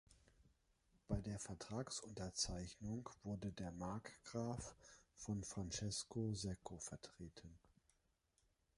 Bei der Vertragsunterzeichnung wurde der Markgraf von Francesco Secco vertreten.